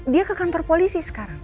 dia ke kantor polisi sekarang